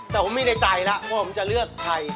แต่ผมมีในใจแล้วว่าผมจะเลือกใคร